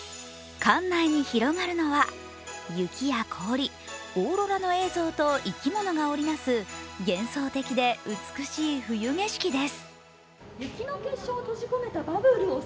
館内に広がるのは雪や氷オーロラの映像、生き物が織りなす幻想的で美しい冬景色です。